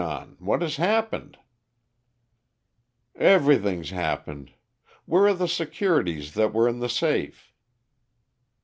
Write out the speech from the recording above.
[Illustration: "WHAT HAS HAPPENED?"] "Everything's happened. Where are the securities that were in the safe?"